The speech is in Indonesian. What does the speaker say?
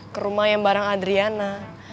ke rumah yang barang adriana